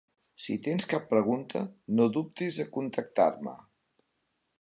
Si tens cap pregunta, no dubtis a contactar-me.